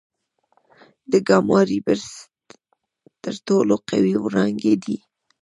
د ګاما رې برسټ تر ټولو قوي وړانګې دي.